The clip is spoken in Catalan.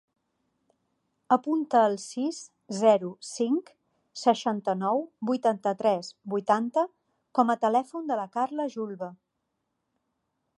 Apunta el sis, zero, cinc, seixanta-nou, vuitanta-tres, vuitanta com a telèfon de la Carla Julve.